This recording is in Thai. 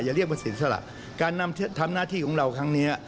เรียกว่าเสียสละการทำหน้าที่ของเราครั้งนี้